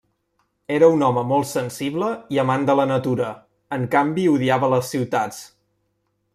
Era un home molt sensible i amant de la natura, en canvi odiava les ciutats.